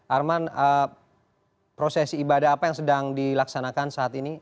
arman prosesi ibadah apa yang sedang dilaksanakan saat ini